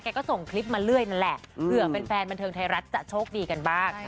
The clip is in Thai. ก็ส่งคลิปมาเรื่อยนั่นแหละเผื่อแฟนบันเทิงไทยรัฐจะโชคดีกันบ้าง